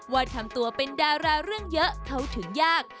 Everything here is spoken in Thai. ว่าทำตัวเป็นดาราเรื่องเยอะเข้าถึงยาก